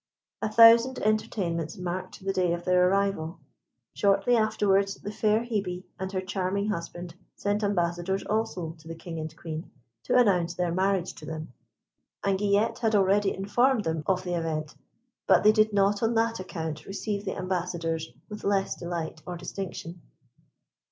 A thousand entertainments marked the day of their arrival. Shortly afterwards the fair Hebe and her charming husband sent ambassadors also to the King and Queen, to announce their marriage to them. Anguillette had already informed them of the event, but they did not on that account receive the ambassadors with less delight or distinction.